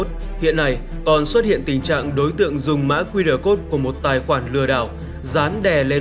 nên việc xác định đối tượng đánh trao mã qr là điều rất khó khăn